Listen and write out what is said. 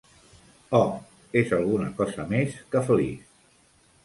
Oh, és alguna cosa més que feliç.